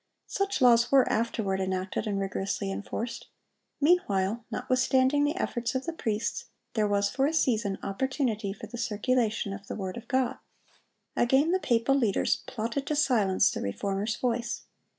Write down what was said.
Such laws were afterward enacted and rigorously enforced. Meanwhile, notwithstanding the efforts of the priests, there was for a season opportunity for the circulation of the word of God. Again the papal leaders plotted to silence the Reformer's voice.